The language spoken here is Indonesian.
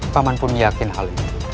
paman pun yakin hal ini